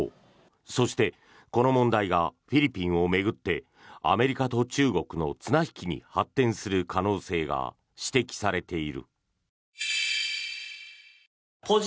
そして、この問題がフィリピンを巡ってアメリカと中国の綱引きに発展する可能性が指摘されている。